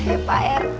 eh pak rt